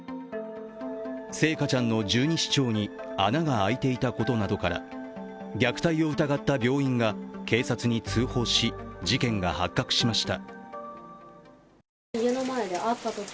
星華ちゃんの十二指腸に穴が空いていたことなどから虐待を疑った病院が警察に通報し、事件が発覚しました。